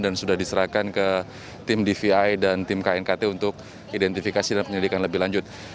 dan sudah diserahkan ke tim dvi dan tim knkt untuk identifikasi dan penyelidikan lebih lanjut